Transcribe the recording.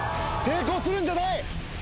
抵抗するんじゃない！